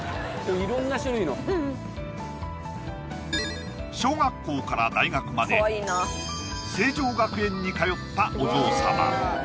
いろんな種類の小学校から大学まで成城学園に通ったお嬢様